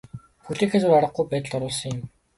Хүлээхээс өөр аргагүй байдалд оруулсан юм.